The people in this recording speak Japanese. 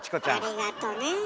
ありがとね。